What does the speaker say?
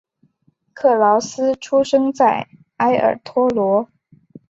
克劳斯出生在埃尔托罗。